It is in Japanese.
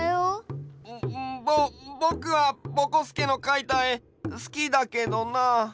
ボボクはぼこすけのかいたえすきだけどな。